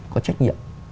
có trách nhiệm